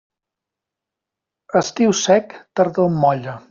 Estiu sec, tardor molla.